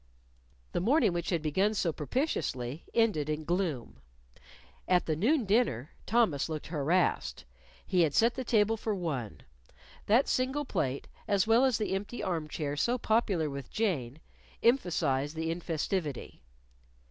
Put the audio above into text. The morning which had begun so propitiously ended in gloom. At the noon dinner, Thomas looked harassed. He had set the table for one. That single plate, as well as the empty arm chair so popular with Jane, emphasized the infestivity.